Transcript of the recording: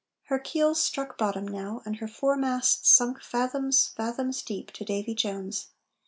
Her keel's struck bottom now And her four masts sunk fathoms, fathoms deep To Davy Jones.